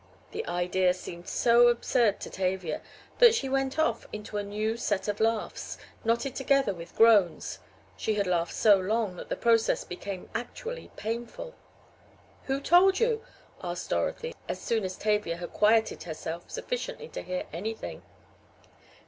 The idea seemed so absurd to Tavia that she went off into a new set of laughs, knotted together with groans she had laughed so long that the process became actually painful. "Who told you?" asked Dorothy, as soon as Tavia had quieted herself sufficiently to hear anything.